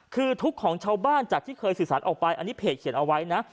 คือทุกข์ของชาวบ้านจากที่เคยสื่อสารออกไปอันนี้เพจเขียนเอาไว้นะ